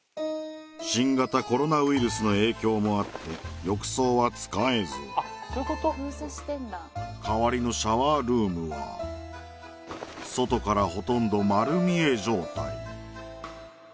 新型コロナウイルスの影響もあって浴槽は使えず代わりのシャワールームは外からほとんど丸見え状態